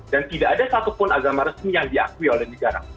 dan tidak ada satupun agama resmi yang diakui oleh negara